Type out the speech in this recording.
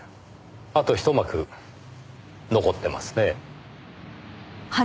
あとひと幕残ってますね。